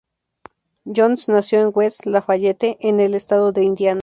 Jones nació en West Lafayette, en el estado de Indiana.